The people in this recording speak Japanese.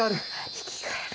生き返る。